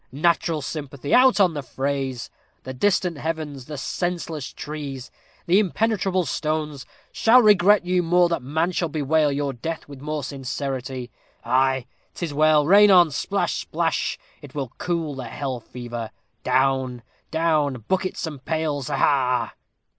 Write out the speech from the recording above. Natural sympathy! out on the phrase! The distant heavens the senseless trees the impenetrable stones shall regret you more than man shall bewail your death with more sincerity. Ay, 'tis well rain on splash, splash: it will cool the hell fever. Down, down buckets and pails, ha, ha!"